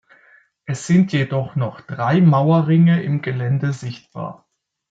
Es sind jedoch noch drei Mauerringe im Gelände sichtbar.